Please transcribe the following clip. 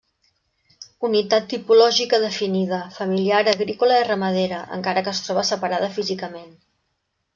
Unitat tipològica definida, familiar agrícola i ramadera, encara que es troba separada físicament.